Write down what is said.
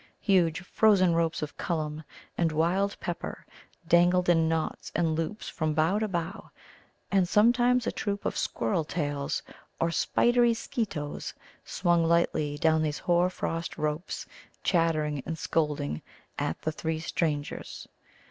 Huge frozen ropes of Cullum and wild Pepper dangled in knots and loops from bough to bough, and sometimes a troop of Squirrel tails or spidery Skeetoes swung lightly down these hoar frost ropes, chattering and scolding at the three strangers.